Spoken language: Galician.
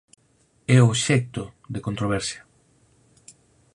É obxecto de controversia.